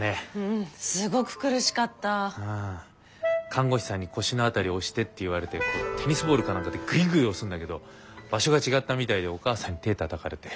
看護師さんに「腰の辺り押して」って言われてテニスボールか何かでグイグイ押すんだけど場所が違ったみたいでお母さんに手たたかれて。